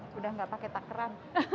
sudah gak pakai takeran